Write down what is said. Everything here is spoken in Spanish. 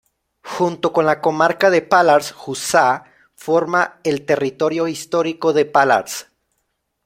Junto con la comarca de Pallars Jussá forma el territorio histórico de Pallars.